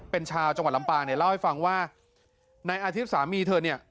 เป็นชาวจังหวัดลำปางเนี่ยเล่าให้ฟังว่านายอาทิตย์สามีเธอเนี่ย